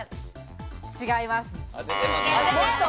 違います。